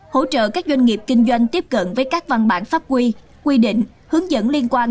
hỗ trợ các doanh nghiệp kinh doanh tiếp cận với các văn bản pháp quy quy định hướng dẫn liên quan